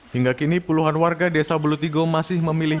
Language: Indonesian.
hingga kini puluhan warga desa bulutigo masih memilih